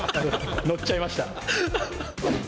乗っちゃいました。